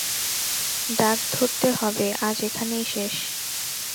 ডাক ধরতে হবে, আজ এখানেই শেষ।